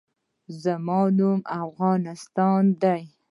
زما نوم افغانستان دی